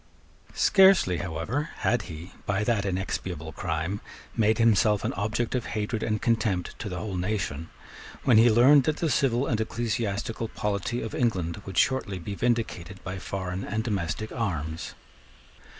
Scarcely however had he, by that inexpiable crime, made himself an object of hatred and contempt to the whole nation, when he learned that the civil and ecclesiastical polity of England would shortly be vindicated by foreign and domestic arms.